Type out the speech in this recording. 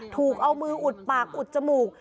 ถูกเอามืออุดปากอุดจมูก